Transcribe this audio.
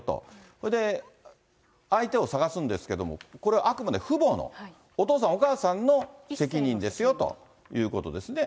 それで相手を探すんですけども、これ、あくまで父母の、お父さんお母さんの責任ですよということですね。